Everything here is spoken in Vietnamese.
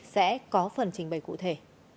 sẽ có phần trình bày cụ thể